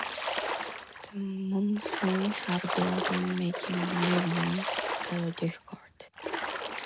The monsoon had broken, making movement very difficult.